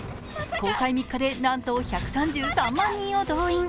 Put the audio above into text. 公開３日でなんと１３３万人を動員。